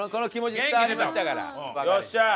よっしゃー！